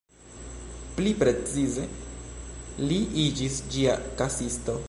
Pli precize, li iĝis ĝia kasisto.